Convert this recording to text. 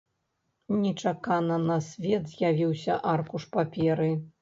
Нечакана на свет з'явіўся аркуш паперы.